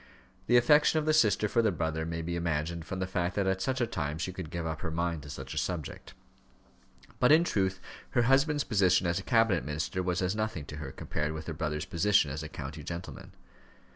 The affection of the sister for the brother may be imagined from the fact that at such a time she could give up her mind to such a subject. But, in truth, her husband's position as a cabinet minister was as nothing to her compared with her brother's position as a county gentleman.